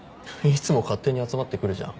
いつも勝手に集まってくるじゃん。